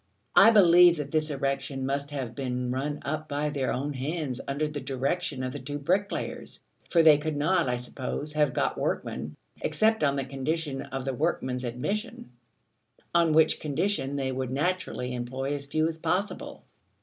I believe that this erection must have been run up by their own hands under the direction of the two bricklayers, for they could not, I suppose, have got workmen, except on the condition of the workmen's admission: on which condition they would naturally employ as few as possible.